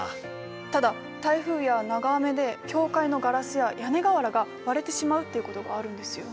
ただ台風や長雨で教会のガラスや屋根瓦が割れてしまうっていうことがあるんですよ。